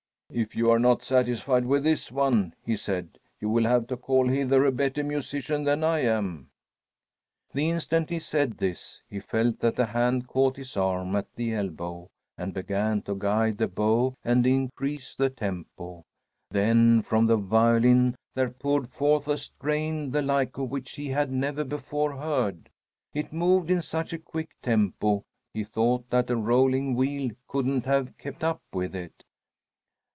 "If you are not satisfied with this one," he said, "you will have to call hither a better musician than I am." The instant he said this, he felt that a hand caught his arm at the elbow and began to guide the bow and increase the tempo. Then from the violin there poured forth a strain the like of which he had never before heard. It moved in such a quick tempo he thought that a rolling wheel couldn't have kept up with it.